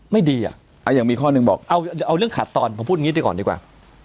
ไม่ดีอะเอาเรื่องขาดตอนผมพูดอย่างนี้ก่อนดีกว่า